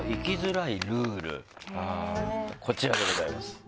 こちらでございます。